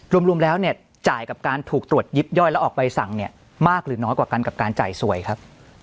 รวมแล้วเนี่ยจ่ายกับการถูกตรวจยิบย่อยแล้วออกใบสั่งเนี่ยมากหรือน้อยกว่ากันกับการจ่ายสวยครับ